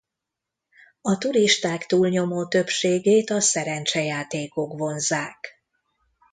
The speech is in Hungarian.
A turisták túlnyomó többségét a szerencsejátékok vonzzák.